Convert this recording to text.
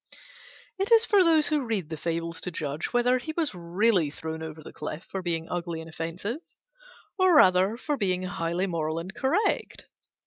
It is for those who read the Fables to judge whether he was really thrown over the cliff for being ugly and offensive, or rather for being highly moral and correct.